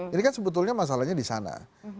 ini kan sebetulnya masalahnya di sana